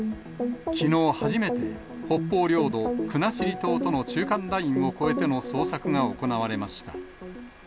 きのう初めて北方領土、国後島との中間ラインを越えての捜索が行われました。